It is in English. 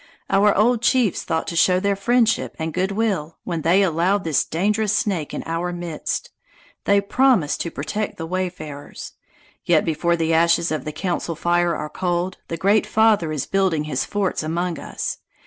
Our old chiefs thought to show their friendship and good will, when they allowed this dangerous snake in our midst. They promised to protect the wayfarers. "Yet before the ashes of the council fire are cold, the Great Father is building his forts among us.